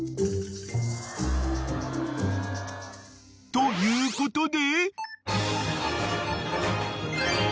ということで］